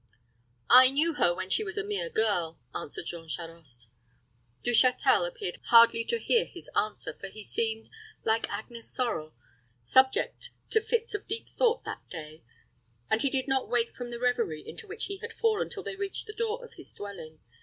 "I knew her when she was a mere girl," answered Jean Charost. Du Châtel appeared hardly to hear his answer, for he seemed, like Agnes Sorel, subject to fits of deep thought that day; and he did not wake from the reverie into which he had fallen till they reached the door of his dwelling.